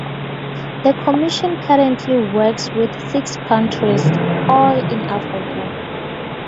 The Commission currently works with six countries, all in Africa.